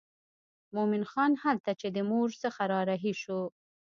مومن خان هلته چې د مور څخه را رهي شو.